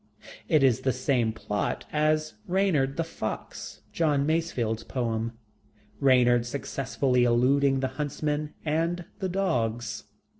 It is the same plot as Reynard the Fox, John Masefield's poem Reynard successfully eluding the huntsmen and the dogs.